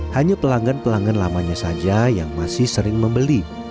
hanya pelanggan pelanggan lamanya saja yang masih sering membeli